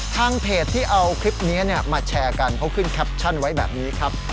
ทางเพจที่เอาคลิปนี้มาแชร์กันเขาขึ้นแคปชั่นไว้แบบนี้ครับ